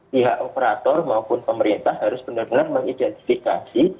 pihak operator maupun pemerintah harus benar benar mengidentifikasi